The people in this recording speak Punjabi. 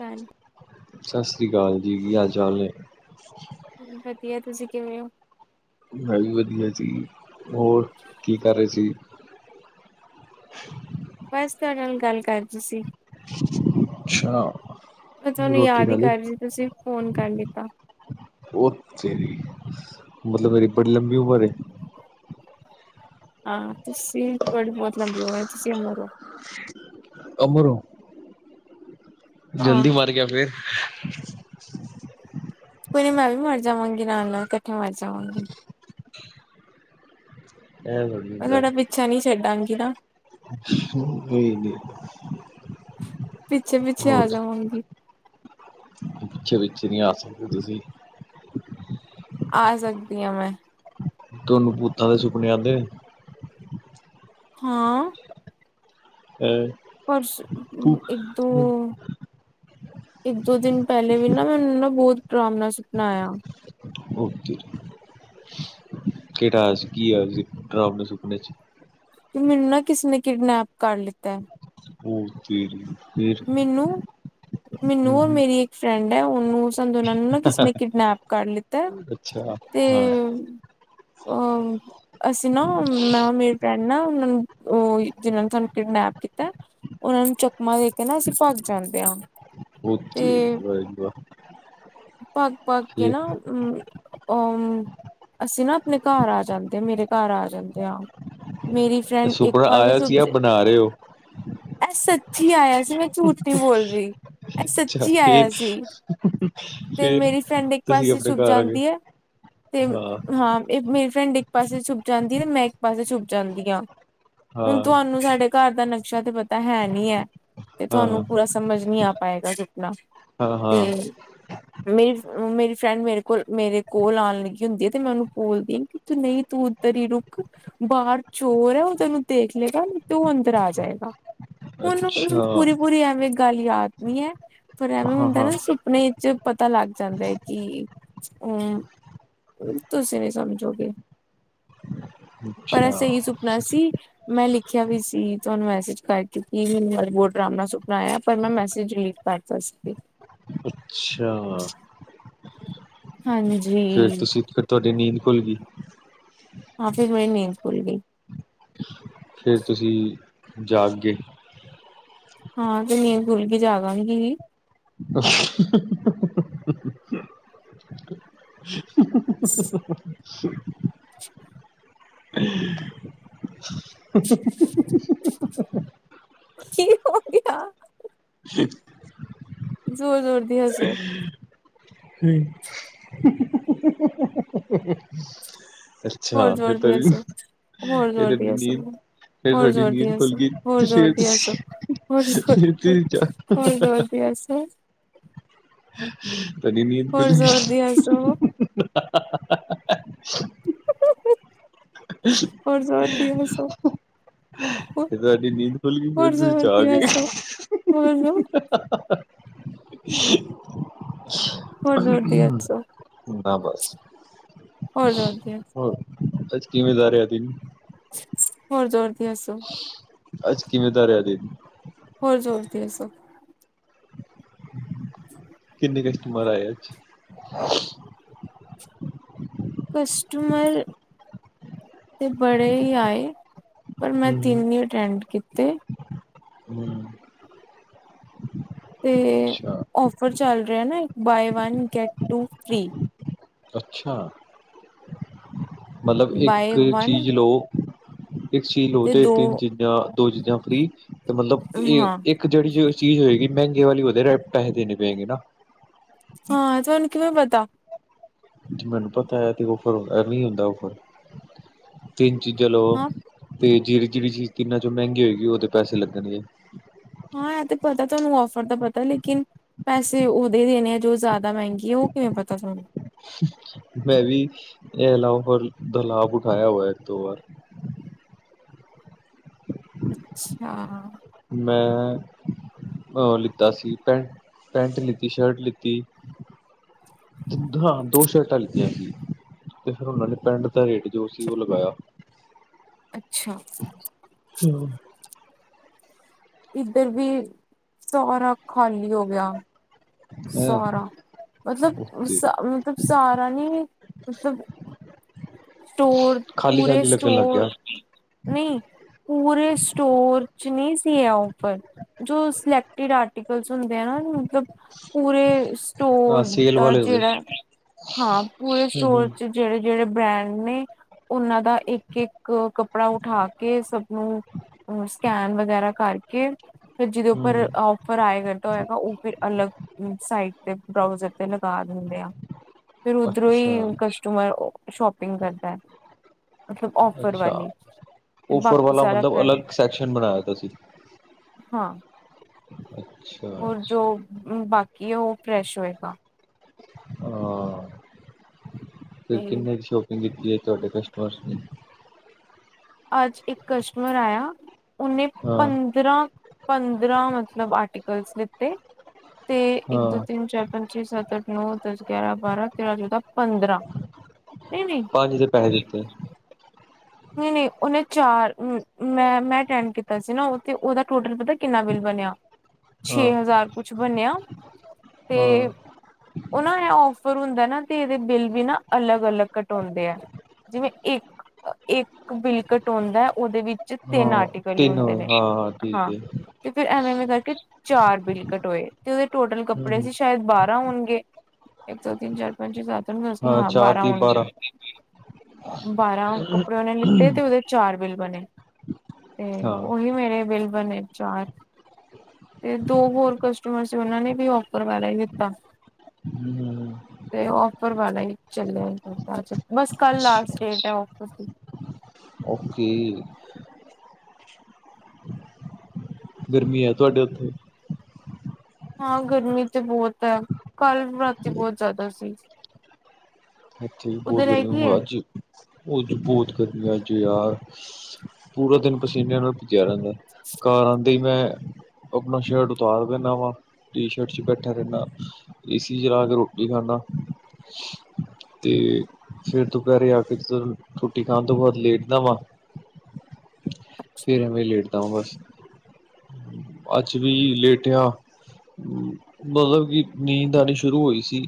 ਘਰ ਸਤਿ ਸ੍ਰੀ ਅਕਾਲ ਕੀ ਹਾਲ ਚਾਲ ਨੇ ਵਧੀਆ ਤੁਸੀਂ ਕਿਵੇਂ ਹੋ ਮੈਂ ਵੀ ਵਧੀਆ ਜੀ ਹੋਰ ਕੀ ਕਰ ਰਹੇ ਸੀ ਬਸ ਤੁਹਾਡੇ ਨਾਲ ਗੱਲ ਕਰ ਤੁਸੀਂ ਅਛਾ ਮੈਂ ਤੁਹਾਨੂੰ ਯਾਦ ਹੀ ਕਰਦੀ ਸੀ ਤੁਸੀਂ ਫੋਨ ਕਰ ਦਿੱਤਾ ਉਹ ਤੇਰੀ ਮਤਲਬ ਮੇਰੀ ਬੜੀ ਲੰਬੀ ਉਮਰ ਹਾਂ ਤੁਸੀਂ ਤੁਹਾਡੀ ਬਹੁਤ ਲੰਬੀ ਉਮਰ ਤੁਸੀਂ [unintelligible] ਅਮਰੋਂ ਹਾਂ। ਜਲਦੀ ਮਰ ਗਿਆ ਫੇਰ ਕੋਈ ਨੀ ਮੈਂ ਵੀ ਮਰ ਜ਼ਾਵਾਂਗੀ ਨਾਲ ਨਾਲ ਇਕੱਠੇ ਮਰਜ ਜਾਵਾਂਗੇ ਐ ਮੈਂ ਤੁਹਾਡਾ ਪਿੱਛਾ ਨਹੀ ਛੱਡਾਂਗੀ ਕਿਹੜਾ [unintelligible] ਹਮ ਹੋਈ ਪਿੱਛੇ ਪਿੱਛੇ ਆ ਜਾਵਾਂਗੀ ਹ ਪਿੱਛੇ ਪਿੱਛੇ ਨਹੀਂ ਆ ਸਕਦੇ ਤੁਸੀਂ ਆ ਸਕਦੀ ਹਾਂ ਮੈਂ ਤੁਹਾਨੁ ਭੂਤਾਂ ਦੇ ਸੁਪਣੇ ਆਉਂਦੇ ਨੇ ਹਾਂ ਹਮ ਪਰਸ ਇੱਕ ਦੋ ਇੱਕ ਦੋ ਦਿਨ ਪਹਿਲੇ ਵੀ ਨਾ, ਮੈਂਨੂੰ ਬਹੁਤ ਡਰਾਵਨਾ ਸੁਪਨਾ ਆਇਆ। ਹੋਤੀ। [unintelligible] ਕਿਹੜਾ ਆਇਆ ਸੀ, ਕੀ ਆਇਆ ਸੀ, ਡਰਾਵਣੇ ਸੁਪਨੇ ਚ? ਵੀ ਮੈਨੂੰ ਨਾ, ਕਿਸੇ ਨੇ ਕਿਡਨੈਪ ਕਰ ਲੀਤਾ ਹੈ। ਓ, ਤੇਰੀ ਫੇਰ ਮੈਨੂੰ, ਹੂੰ ਮੈਨੂੰ ਔਰ, ਹੂੰ, ਮੇਰੀ ਇੱਕ ਫਰੈਂਡ ਫਰੈਂਡ ਹੈ ਉਹਨੂੰ ਸ ਸਾਨੂੰ ਦੋਨਾਂ ਨੂੰ, ਨਾ ਕਿਸੇ ਨੇੇ ਕਿਡਨੈਪ ਕਰ ਲਿੱਤਾ, ਅੱਛਾ ਤੇ ਹਾਂ ਅ ਅਸੀਂ ਨਾ, ਮੈਂ ਮੇਰੀ ਫਰੈਂਡ ਨਾ ਉਹਨਾਂ ਨੂੰ ਉਹ ਜਿਹਨਾਂ ਨੇ ਸਾਨੂੰ ਕਿਡਨੈਪ ਕੀਤਾ, ਉਹਨਾਂ ਨੂੰ ਚਕਮਾ ਦੇ ਕੇ ਨਾ ਅਸੀਂ ਭੱਜ ਜਾਂਦੇ ਹਾਂ। ਓ, ਤੇਰੀ ਤੇ ਵਾਅ ਜੀ ਵਾਅ, ਭੱਗ ਭੱਗ ਕੇ ਨਾ ਫੇਰ? ਅ ਅਸੀਂ ਨਾ, ਆਪਣੇ ਘਰ ਆ ਜਾਂਦੇ ਆ, ਮੇਰੇ ਘਰ ਆ ਜਾਂਦੇ ਆ। ਮੇਰੀ ਫਰੈਂਡ ਸੁਪਨਾ ਆਇਆ ਸੀ [unintelligible] ਆਪ ਬਣਾ ਰਹੇ ਹੋ ਜੀ, ਆਇਆ ਸੀ। ਮੈਂ ਝੂਠੀ ਨਹੀਂ ਬੋਲ ਰਹੀ, ਇਹ ਅੱਛਾ ਸੱਚੀ ਫਿਰ ਆਇਆ ਸੀ, ਤੇ ਫਿਰ ਮੇਰੀ ਫਰੈਂਡ ਇੱਕ ਤੁਸੀਂ ਪਾਸੇ ਆਪਣੇ ਛੁੱਪ ਘਰ ਆ ਗਏ ਜਾਂਦੀ ਹੈ, ਤੇ ਹਾਂ ਇਹ ਮੇਰੀ ਫਰੈੰਡ ਇੱਕ ਪਾਸੇ ਛੁੱਪ ਜਾਂਦੀ ਹੈ, ਤੇ ਮੈਂ ਇੱਕ ਪਾਸੇ ਛੁਪ ਜਾਂਦੀ ਹਾਂ। ਹੁਣ, ਹਾਂ ਤੁਹਾਨੂੰ ਸਾਡੇ ਘਰ ਦਾ ਨਕਸ਼ਾ ਤੇ ਪਤਾ ਹੈ ਨੀ ਹੈ। ਤੇ ਤੁਹਾਨੂੰ ਹਾਂ ਪੂਰਾ ਸਮਝ ਨੀ ਆ ਪਾ ਪਾਏਗਾ ਜੋ। ਹਾਂ ਹਾਂ ਤੇ ਮੇਰੀ -ਮੇਰੀ ਫਰੈਂਡ ਮੇਰੇ ਕੋਲ ਮੇਰੇ ਕੋਲ ਆਉਣ ਲੱਗੀ ਹੁੰਦੀ ਹੈ, ਤੇ ਮੈਂ ਉਹਨੂੰ ਬੋਲਦੀ ਹਾਂ ਕਿ ਤੂੰ ਨਹੀਂ ਤੂੰ ਉੱਧਰ ਹੀ ਰੁੱਕ, ਬਾਹਰ ਚੋਰ ਹੈ ਉਹ ਤੈਨੂੰ ਦੇਖ ਲਏਗਾ, ਤੇ ਉਹ ਅੰਦਰ ਆ ਜਾਏਗਾ। ਹਨ। ਅੱਛਾ [inaudible] ਪੂਰੀ- ਪੂਰੀ ਐਵੇਂ ਗੱਲ ਯਾਦ ਨੀ ਹੈ। ਫੇਰ ਐਵੇਂ ਹਾਂ ਹੁੰਦਾ ਨਾ, ਹਾਂ ਸੁਪਨੇ ਚ ਪਤਾ ਲੱਗ ਜਾਂਦਾ ਹੈ ਕਿ, ਅ ਤੁਸੀਂ ਨੀ ਸਮਝੋਗੇ, ਪਰ ਅੱਛਾ ਸਹੀ ਸੁਪਨਾ ਸੀ ਮੈਂ ਲਿਖਿਆ ਵੀ ਸੀ, ਤੁਹਾਨੂੰ ਮੈਸੇਜ ਕਰਕੇ ਕਿ ਮੈਨੂੰ ਡਰਾਵਣਾ ਸੁਪਨਾ ਆਇਆ, ਪਰ ਮੈਂ ਮੈਸੇਜ ਡਿਲੀਟ ਕਰ ਤਾ ਸੀ। ਅੱਛਾ। ਹਾਂਜੀ। ਫਿਰ ਤੁਸੀਂ ਫਿਰ ਤੁਹਾਡੀ ਨੀਂਦ ਖੁੱਲ ਗਈ ਹਾਂ ਫੇਰ, ਮੇਰੀ ਨੀਂਦ ਖੁੱਲ ਗਈ। ਫਿਰ ਤੁਸੀਂ ਜਾਗ ਗੇ। ਹਾਂ ਜੇ ਨੀਂਦ, ਖੁੱਲ ਗਈ ਜਾਗਾਂਗੀ। ਅ--ਹ ਹ ਹ ਹ ਹਹਹਹਹ ਕੀ ਹੋ ਗਿਆ? ਜ਼ੋਰ- ਜ਼ੋਰ ਦੀ ਹੱਸੋ। [unintelligible] ਅੱਛਾ ਹੋਰ ਫਿਰ ਜ਼ੋਰ ਫ ਦੀ ਹੱਸੋ ਹੋਰ ਜ਼ੋਰ ਦੀ ਹੱਸੋ। ਰਡੀ ਫਿਰ ਹੋਰ ਸਾਡੀ ਜ਼ੋਰ ਦੀ ਨੀਂਦ ਖੁੱਲ ਹੱਸੋ ਗਈ ਹੋਰ ਜ਼ੋਰ ਦੀ ਹੱਸੋ ਹੋਰ ਜ਼ੋਰ ਹੋਰ ਜ਼ੋਰ ਦੀ ਹੱਸੋ [unintelligible] ਤਾਂਡੀ ਨੀਦ ਹੋਰ ਖੁਲਗੀ। ਜ਼ੋਰ ਦੀ ਹੱਸੋ। ਅ। ਹੋਰ ਜੋਰ ਦੀ ਹੱਸੋ। ਫ ਤੁਹਾਡੀ ਨੀਂਦ ਖੁੱਲ ਗਈ ਫੇਰ ਹੋਰ ਤੁਸੀਂ ਜ਼ੋਰ ਜਾ ਦੀ ਕੇ ਹ ਹੱਸੋ ਹੋਰ ਜ਼ੋਰ ਹੋਰ ਜੋਰ ਦੀ ਹੱਸੋ। ਹਾਂ ਬਸ। ਹੋਰ ਜੋਰ ਦੀ ਹੋਰ ਅੱਜ ਕਿਵੇਂ ਦਾ ਰਿਹਾ ਦਿਨ। ਹੋਰ ਜੋਰ ਦੀ ਹੱਸੋ। ਅੱਜ ਕਿਵੇਂ ਦਾ ਰਿਆ ਦਿਨ। ਹੋਰ ਜੋਰ ਦੀ ਹੱਸੋ। ਕਿੰਨੇ ਕਸਟਮਰ ਆਏ ਅੱਜ। ਕਸਟਮਰ ਤੇ ਬੜੇ ਹੀ ਆਏ। ਪਰ ਮੈਂ ਤਿੰਨ ਹੀ ਅਟੈਂਡ ਕੀਤੇ। ਹਮ ਤੇ ਆਫਰ ਚੱਲ ਰਿਹਾ ਨਾ ਇ buy one get two free. ਅੱਛਾ। ਮਤਲਬ ਬਾਏ ਇੱਕ ਵਨ ਚੀਜ਼ ਲਓ ਇੱਕ ਚੀਜ਼ ਲੋ ਤੇ ਤਿੰਨ ਚੀਜ਼ਾਂ ਦੋ ਚੀਜ਼ਾਂ ਫਰੀ। ਤੇ ਮਤਲਬ ਇਹ ਹਾਂ ਇੱਕ ਜਿਹੜੀ ਚੀਜ਼ ਹੋਏਗੀ ਮਹਿੰਗੇ ਵਾਲੀ ਉਹਦੇ ਪੈਸੇ ਦੇਣੇ ਪੈਗੇ ਨਾ। ਹਾਂ ਤੁਹਾਨੂੰ ਕਿਵੇਂ ਪਤਾ। ਮੈਨੂੰ ਪਤਾ ਹੈ ਤੇ ਓਫਰ ਐਵੇ ਹੀ ਹੁੰਦਾ ਓਫਰ ਤਿੰਨ ਚੀਜ਼ਾਂ ਲੋ ਹਾਂ ਅਤੇ ਜਿਹੜੀ- ਜਿਹੜੀ ਚੀਜ਼ ਤਿੰਨਾਂ ਚੋਂ ਮਹਿੰਗੀ ਹੋਏਗੀ ਉਹਦੇ ਪੈਸੇ ਲੱਗਣਗੇ। ਹਾਂ ਇਹ ਤੇ ਪਤਾ ਤੁਹਾਨੂੰ ਓਫਰ ਦਾ ਪਤਾ ਲੇਕਿਨ, ਪੈਸੇ ਉਹਦੇ ਹੀ ਦੇਣੇ ਆ ਜੋ ਜ਼ਿਆਦਾ ਮਹਿੰਗੀ ਹੈ। ਉਹ ਕਿਵੇਂ ਪਤਾ ਤੁਹਾਨੂੰ? ਮੈਂ ਵੀ [unintelligible] ਦਾ ਲਾਭ ਉਠਾਇਆ ਹੋਆ ਇੱਕ, ਦੋ ਵਾਰ। ਅੱਛਾ। ਮੈਂ ਅਹ ਲਿੱਤਾ ਸੀ ਪੈਂਟ- ਪੈਂਟ ਲਿੱਤੀ, ਸ਼ਰਟ ਲਿੱਤੀ ਹਾਂ ਦੋ ਸ਼ਰਟਾਂ ਲਿੱਤੀਆਂ ਸੀ ਤੇ ਫਿਰ ਉਹਨਾਂ ਨੇ ਪੈਂਟ ਦਾ ਰੇਟ ਜੋ ਸੀ ਉਹ ਲਗਾਇਆ। ਅੱਛਾ ਇੱਧਰ ਵੀ ਸਾਰਾ ਖਾਲੀ ਹੋ ਗਿਆ। ਹੈਂ ਸਾਰਾ ਮਤਲਬ ਉਤੇ ਸਾ ਮਤਲਬ ਸਾਰਾ ਨੀ ਮਤਲਬ ਸਟੋਰ ਖਾਲੀ ਪੂਰੇ ਖਾਲੀ ਲੱਗਣ ਲੱਗ ਸਟੋਰ ਗਿਆ ਨਹੀਂ, ਪੂਰੇ ਸਟੋਰ ਚ ਨਹੀਂ ਸੀ ਇਹ ਏਵੇ ਆਫਰ ਜੋ ਸੈਲਕਟ ਕਿਹੜਾ ਆਰਟੀਕਲਸ? ਹੁੰਦੇ ਆ ਨਾ ਮਤਲਬ ਪੂਰੇ ਅ ਸਟੋਰ ਸੇਲ ਦਾ ਵਾਲੇ ਹੋ ਗਏ ਜੇੜਾ ਹਾਂ ਪੂਰੇ ਹਮ ਸਟੋਰ ਚ ਜੇੜੇ-ਜੇੜੇ ਬ੍ਰਾਂਡ। ਨੀ ਉਹਨਾਂ ਦਾ ਇੱਕ-ਇੱਕ ਕੱਪੜਾ ਉਠਾ ਕੇ ਸਭ ਨੂੰ ਸਕੈਨ ਵਗੈਰਾ ਕਰਕੇ ਫਿਰ ਜਿਹਦੇ ਹਮ ਉੱਪਰ ਹਮ ਆਫਰ ਆਏਗਾ ਉਹ ਫਿਰ ਅਲੱਗ ਸਾਈਡ 'ਤੇ ਬਰਾਊਜ਼ਰ ਤੇ ਲਗਾ ਦਿੰਦੇ ਆ। ਫਿਰ ਉੱਧਰੋਂ ਅੱਛਾ ਹੀ ਕਸਟਮਰ ਸ਼ੋਪ ਪਿੰਨ ਕਰਦਾ ਹੈ। ਮਤਲਬ ਔਫਰ ਅੱਛਾ, ਵਾਲੀ ਤੇ ਓਫਰ ਬਾਕੀ ਵਾਲਾ ਸਾਰਾ ਮਤਲਬ ਫਰੈਸ਼ ਅਲੱਗ ਸੈਕਸ਼ਨ ਬਣਾਇਆ ਤੁਸੀਂ। ਹੋਰ ਜੋ ਬਾਕੀ ਕੀ ਉਹ ਫਰੈਸ਼ ਹੋਏਗਾ। ਹਾਂ। ਫੇਰ ਤੇ ਕਿੰਨੇ ਦੀ ਸ਼ੋਪਿੰਗ ਕੀਤੀ ਹੈ, ਤੁਹਾਡੇ ਕਸਟਮਰ। ਫਸਟ ਨੇ ਅੱਜ ਇੱਕ ਕਸਟਮਰ ਆਇਆ। ਉਹਨੇ ਹਾਂ ਪੰਦਰਾਂ- ਪੰਦਰਾਂ ਮਤਲਬ ਆਟੀ ਕਲਸ ਲੀਤੇ, ਤੇ ਇੱਕ, ਦੋ, ਹਾਂ ਤਿੰਨ, ਚਾਰ, ਪੰਜ, ਛੇ,, ਸੱਤ, ਅੱਠ ਹੋ। ਦੱਸ, ਗਿਆਰਾਂ, ਬਾਰਾਂ, ਤੇਰਾਂ, ਚੌਦਾਂ, ਪੰਦਰਾਂ ਨਹੀਂ-ਨਹੀਂ। ਪੰਜ ਦੇ ਪੈਸੇ ਦਿੱਤੇ ਨਹੀਂ-ਨਹੀਂ ਉਹਨੇ ਚਾਰ ਮੈਂ-ਮੈਂ ਅਟੈਂਡ ਕੀਤਾ ਸੀ, ਨਾ ਤੇ ਉਹਦਾ ਟੋਟਲ ਪਤਾ ਕਿੰਨਾ ਬਿੱਲ ਬਣਿਆ ਹਾਂ ਛੇ ਹਜ਼ਾਰ ਕੁਛ ਬਣਿਆ ਹਾਂ ਤੇ ਉਹਨਾਂ ਦਾ ਓਫਰ ਹੁੰਦਾ ਨਾ ਤੇ ਇਦੇ ਬਿੱਲ ਵੀ ਨਾ ਅਲੱਗ-ਅਲੱਗ ਕਟ ਹੁੰਦੇ ਆ ਜਿਵੇਂ ਇੱਕ ਇੱਕ ਬਿੱਲ ਕਟਾਉਂਦਾ ਉਹਦੇ ਵਿੱਚ ਚ ਤਿੰਨ ਹਾਂ ਆਰਟੀਕਲ ਹੀ ਤਿੰਨ ਹੁੰਦੇ ਹੋਏ ਨੇ ਹਾਂ ਠੀਕ ਹਾਂ ਹੈ ਤੇ ਫਿਰ ਐਵੇ ਐਵੇਂ ਕਰਕੇ ਚਾਰ ਬਿੱਲ ਕਟ ਹੋਏ ਤੇ ਉਹਦੇ ਟੋਟਲ ਹਮ ਕੱਪੜੇ ਸੀ ਸ਼ਾਇਦ ਬਾਰਾਂ ਹੋਣਗੇ। ਇੱਕ, ਦੋ, ਤਿੰਨ, ਚਾਰ, ਪੰਜ, ਛੇ, ਸੱਤ। ਨੂੰ, ਦੱਸ ਕੇ ਹਾਂ ਬਾਰਾਂ ਆਉਣਗੇ ਬਾਰਾਂ ਕ ਮੈਨੇ ਲਿੱਤੇ ਤੇ ਉਹਦੇ ਚਾਰ ਬਿੱਲ ਬਣੇ ਤੇ ਹਾਂ ਉਹੀ ਮੇਰੇ ਬਿੱਲ ਬਣੇ ਚਾਰ ਤੇ ਦੋ ਹੋਰ ਕਸਟਮਰ ਉਹਨਾਂ ਨੇ ਵੀ ਓਫਰ ਵਾਲੇ ਲਿਤਾ। ਤੇ ਔਫਰ ਵਾਲਾ ਹੀ ਚੱਲਿਆ ਕਰਤਾ। ਬਸ ਕੱਲ ਲਾਸਟ ਡੇਟ ਹੈ। ਫ ਉਓਕੀ। ਗਰਮੀ ਹੈ ਤੁਹਾਡੇ ਉੱਥੇ ਹਾਂ ਗਰਮੀ ਤੇ ਬਹੁਤ ਹੈ ਕੱਲ੍ਹ ਰਾਤੀ ਬਹੁਤ ਜ਼ਿਆਦਾ ਸੀ। ਇੱਥੇ ਬਹੁਤ ਉਧਰ ਗਰਮੀ ਹੈਗੀ ਹੈ ਹੋ ਅੱਜ। ਉਹਝ ਬਹੁਤ ਗਮੀਆਂ ਜ ਯਾਰ ਪੂਰਾ ਦਿਨ ਪਸੀਨੇ ਨਾਲ ਭੱਜਿਆ ਰਹਿੰਦਾ ਘਰ ਆਉਂਦੇ ਹੀ ਮੈਂ ਆਪਣਾ ਸ਼ਰਟ ਉਤਾਰ ਕਰਿੰਦਾ ਵਾ ਟੀ ਸ਼ਰਟ ਚ ਬੈਠਾ ਰਹਿੰਦਾ ਏਸੀ ਚਲਾ ਕੇ ਰੋਟੀ ਖਾਂਦਾ। ਅਤੇ ਫਿਰ ਦੁਪਹਿਰੇ ਆ ਕੇ ਰੋਟੀ ਖਾਣ ਤੋਂ ਬਾਅਦ ਲੇਟ ਦਾ ਵਾਂ। ਫੇਰ ਮੈਂ ਲੇਟਦਾ ਬਸ। ਅੱਜ ਵੀ ਲੇਟਿਆ ਮਤਲਬ ਕਿ ਨੀਂਦ ਆਣੀ ਸ਼ੁਰੂ ਹੋਈ ਸੀ।